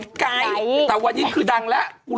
เป็นการกระตุ้นการไหลเวียนของเลือด